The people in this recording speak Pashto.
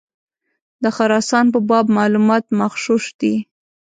د خراسان په باب معلومات مغشوش دي.